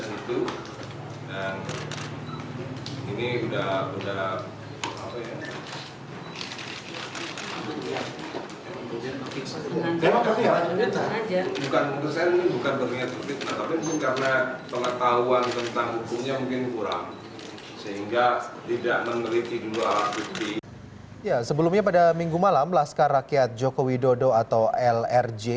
itu dan ini udah udah apa ya ya sebelumnya pada minggu malam laskar rakyat joko widodo atau lrj